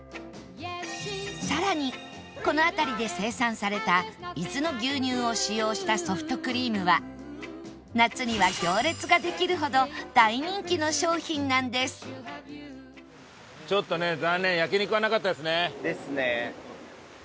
さらにこの辺りで生産された伊豆の牛乳を使用したソフトクリームは夏には行列ができるほど大人気の商品なんですですね。